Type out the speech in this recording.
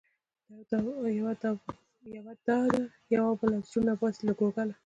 یوه دا ده يوه بله، زړونه باسې له ګوګله